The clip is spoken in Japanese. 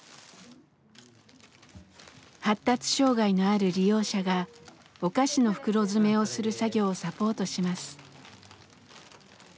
発達障害のある利用者がお菓子の袋詰めをする作業をサポートします。